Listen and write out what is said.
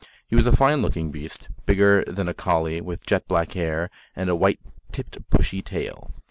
He was a fine looking beast, bigger than a collie, with jet black hair and a white tipped bushy tail.